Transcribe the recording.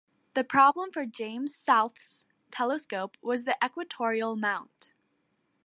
The problem for James South's telescope was the equatorial mount.